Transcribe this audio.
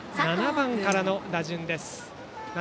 ７番からの打順です